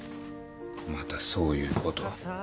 またそういうこと。